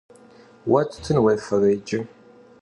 Vue tutın vuêfere yicı?